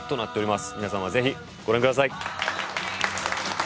皆様ぜひご覧ください。